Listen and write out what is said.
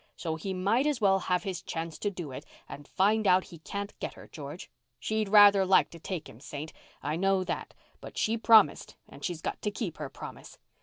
So he might as well have his chance to do it and find out he can't get her, George. She'd rather like to take him, Saint. I know that—but she promised, and she's got to keep her promise.